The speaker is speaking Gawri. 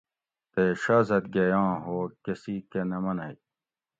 تے شازادگے آں ہوگ کۤسی کہ نہ منگ